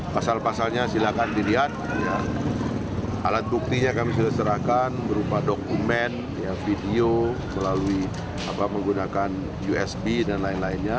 pasal pasalnya silahkan dilihat alat buktinya kami sudah serahkan berupa dokumen video melalui menggunakan usb dan lain lainnya